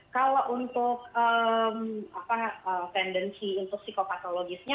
kalau untuk pendensi psikopatologisnya